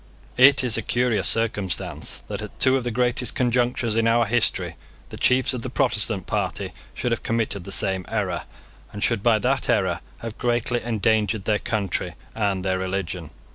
It is a curious circumstance that, at two of the greatest conjunctures in our history, the chiefs of the Protestant party should have committed the same error, and should by that error have greatly endangered their country and their religion.